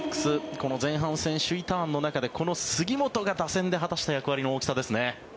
この前半戦、首位ターンの中でこの杉本が打線で果たした役割の大きさですね。